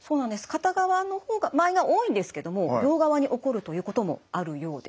片側の場合が多いんですけども両側に起こるということもあるようです。